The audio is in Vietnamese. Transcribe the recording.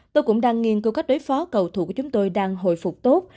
tôi cũng đang nghiên cứu cách đối phó cầu thủ của chúng tôi đang hồi phục tốt